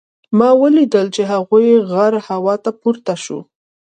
ما ولیدل چې هغه غر هوا ته پورته شو.